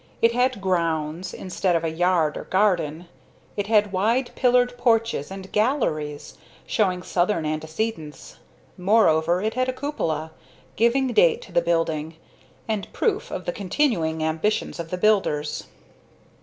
It had "grounds," instead of a yard or garden; it had wide pillared porches and "galleries," showing southern antecedents; moreover, it had a cupola, giving date to the building, and proof of the continuing ambitions of the builders.